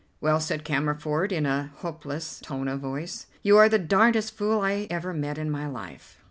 "Well," said Cammerford, in a hopeless tone of voice, "you are the darndest fool I ever met in my life."